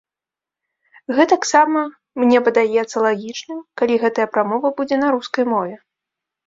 Гэтак сама мне падаецца лагічным, калі гэтая прамова будзе на рускай мове.